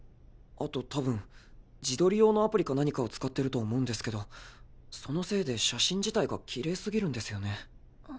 あとたぶん自撮り用のアプリか何かを使ってると思うんですけどそのせいで写真自体が奇麗すぎるんですよね。